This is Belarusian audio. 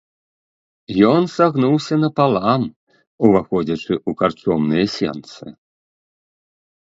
Ён сагнуўся напалам, уваходзячы ў карчомныя сенцы.